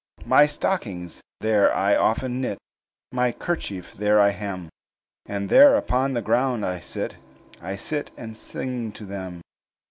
"My stockings there I often knit, My kerchief there I hem; And there upon the ground I sit I sit and sing to them.